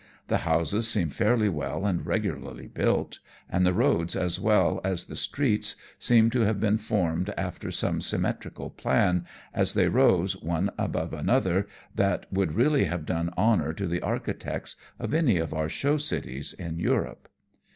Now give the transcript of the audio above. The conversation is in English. The houses seem fairly well and regularly built, and the roads as well as the streets seem to have been formed after some symmetrical plan, as they rose one above another, that would really have done honour to the architects of any of our show cities in Europe.